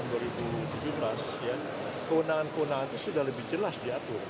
setelah ada undang undang nomor tujuh tahun dua ribu tujuh belas ya kewenangan kewenangan itu sudah lebih jelas diatur